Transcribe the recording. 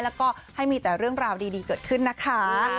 แล้วก็ให้มีแต่เรื่องราวดีเกิดขึ้นนะคะ